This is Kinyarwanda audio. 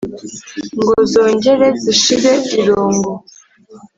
Ngo zongere zishire irungu.